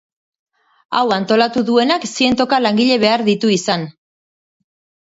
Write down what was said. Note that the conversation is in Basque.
Hau antolatu duenak zientoka langile behar ditu izan.